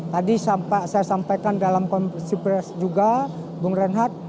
tadi saya sampaikan dalam kompetisi pres juga bung renhard